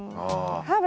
ああ。